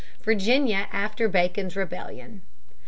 Virginia after Bacon's Rebellion.